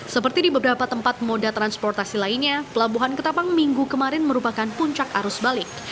seperti di beberapa tempat moda transportasi lainnya pelabuhan ketapang minggu kemarin merupakan puncak arus balik